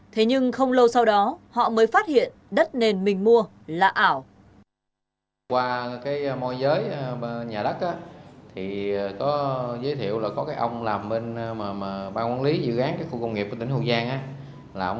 thế nhưng không lâu sau đó họ mới phát hiện đất nền mình mua là ảo